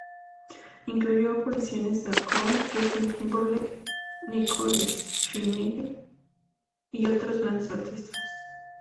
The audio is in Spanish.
Incluyó apariciones de Akon, Justin Timberlake, Nicole Scherzinger, y otros grandes artistas.